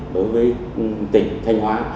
đối với tỉnh thanh hóa